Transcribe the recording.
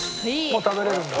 もう食べられるんだ。